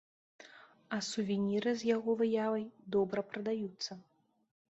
А сувеніры з яго выявай добра прадаюцца.